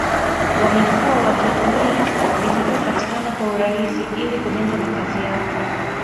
wamekuwa wakitumia vinavyopatikana kwa urahisi ili kujenga makazi yao